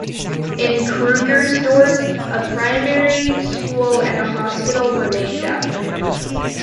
In Krugersdorp, a primary school and a hospital were named after him.